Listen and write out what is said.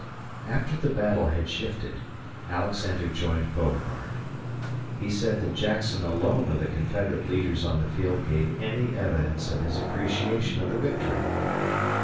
After the battle had shifted, Alexander joined Beauregard. He said that Jackson alone of the Confederate leaders on the field gave any evidence of his appreciation of the victory.